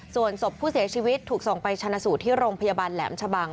ส่วนศพผู้เสียชีวิตถูกส่งไปชนะสูตรที่โรงพยาบาลแหลมชะบัง